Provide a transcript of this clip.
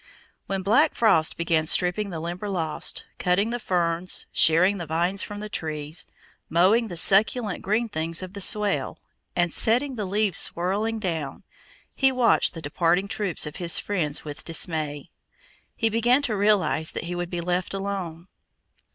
When black frost began stripping the Limberlost, cutting the ferns, shearing the vines from the trees, mowing the succulent green things of the swale, and setting the leaves swirling down, he watched the departing troops of his friends with dismay. He began to realize that he would be left alone.